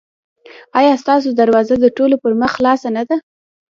ایا ستاسو دروازه د ټولو پر مخ خلاصه نه ده؟